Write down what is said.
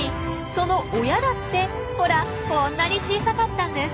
その親だってほらこんなに小さかったんです。